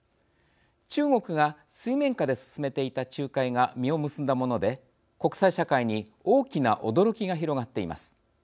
中国が水面下で進めていた仲介が実を結んだもので国際社会に大きな驚きが広がっています。